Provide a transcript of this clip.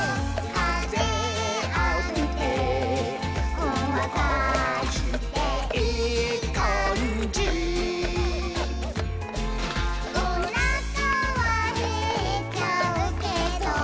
「かぜあびてほんわかしていいかんじ」「おなかはへっちゃうけど」